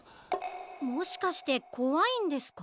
もしかしてこわいんですか？